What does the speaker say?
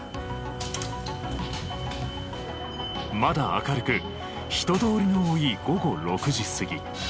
まだ明るく人通りの多い午後６時過ぎ。